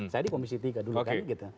saya di komisi tiga dulu kan gitu